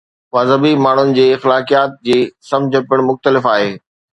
مذهبي ماڻهن جي اخلاقيات جي سمجھ پڻ مختلف آهي.